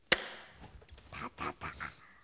タタタ。